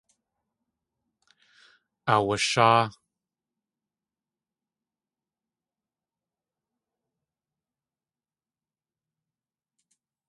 Aawasháa.